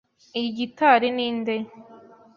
Iyi gitari ni nde?